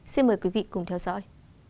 xin mời quý vị cùng theo dõi